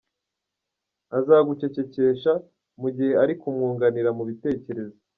Azagucecekesha mugihe ari kumwunganira mu bitekerezo.